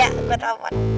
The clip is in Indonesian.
ya udah gue telfon ya